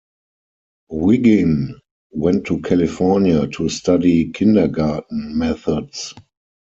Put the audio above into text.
Wiggin went to California to study kindergarten methods.